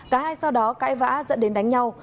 cả hai sau đó cãi vã dẫn đến đánh nhau